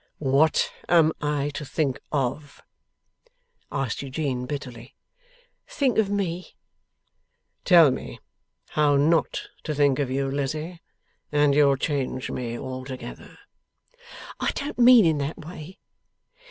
'What am I to think of?' asked Eugene, bitterly. 'Think of me.' 'Tell me how NOT to think of you, Lizzie, and you'll change me altogether.' 'I don't mean in that way.